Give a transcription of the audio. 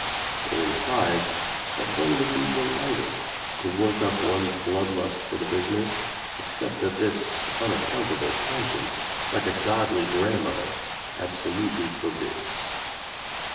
It implies that one would be delighted to work up one's blood lust for the business, except that this unaccountable conscience, like a godly grand mother, absolutely forbids.